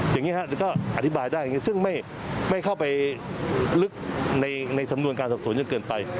อย่างนี้ก็อธิบายได้ซึ่งไม่เข้าไปลึกในสำนวนการสับสนเยอะเกินไป